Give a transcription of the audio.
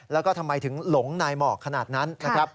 แล้วก็ทำไมถึงหลงนายหมอกขนาดนั้นนะครับ